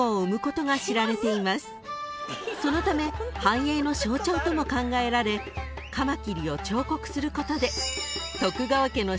［そのため繁栄の象徴とも考えられカマキリを彫刻することで］